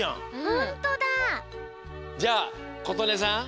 ホントだ！じゃあことねさん